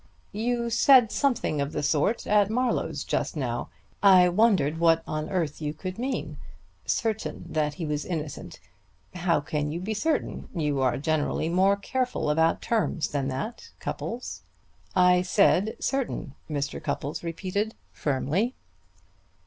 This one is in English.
"You said something of the sort at Marlowe's just now. I wondered what on earth you could mean. Certain that he was innocent! How can you be certain? You are generally more careful about terms than that, Cupples." "I said 'certain,'" Mr. Cupples repeated firmly.